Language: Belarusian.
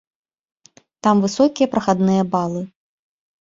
Там высокія прахадныя балы.